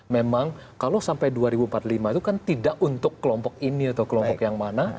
memang kalau sampai dua ribu empat puluh lima itu kan tidak untuk kelompok ini atau kelompok yang mana